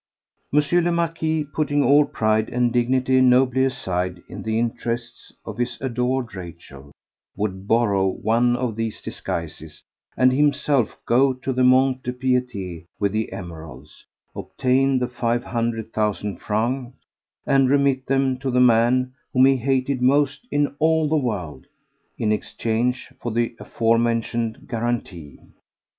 M. le Marquis, putting all pride and dignity nobly aside in the interests of his adored Rachel, would borrow one of these disguises and himself go to the Mont de Piété with the emeralds, obtain the five hundred thousand francs, and remit them to the man whom he hated most in all the world, in exchange for the aforementioned guarantee.